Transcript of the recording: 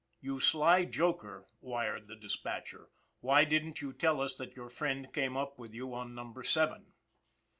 " You sly joker," wired the dispatcher, " why didn't you tell us that your friend came up with you on Num ber Seven?"